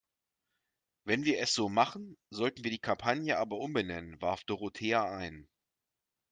Wenn wir es so machen, sollten wir die Kampagne aber umbenennen, warf Dorothea ein.